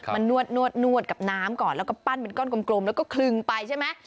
นวดกับน้ำก่อนแล้วก็ปั้นเป็นก้อนกลมแล้วก็คลึงไปใช่ไหม